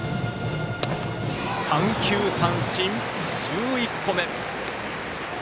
三球三振、１１個目！